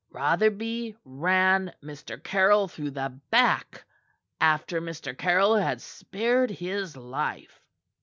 Rotherby ran Mr. Caryll through the back after Mr. Caryll had spared his life."